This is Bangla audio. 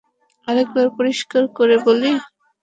আরেকবার পরিষ্কার করে বলি।